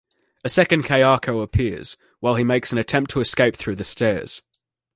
A second Kayako appears, while he makes an attempt to escape through the stairs.